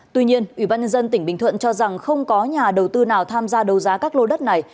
tuy nhiên ubnd tỉnh bình thuận cho rằng không có nhà đầu tư nào tham gia đầu giá các lô đất này